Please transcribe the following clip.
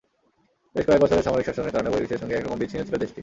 বেশ কয়েক বছরের সামরিক শাসনের কারণে বহির্বিশ্বের সঙ্গে একরকম বিচ্ছিন্ন ছিল দেশটি।